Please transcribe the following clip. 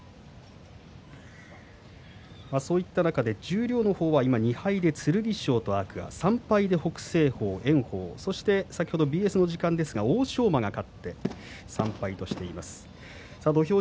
そういった中で十両は２敗で剣翔と天空海３敗で北青鵬、炎鵬、そして先ほどＢＳの時間ですが欧勝馬が勝って３敗としています。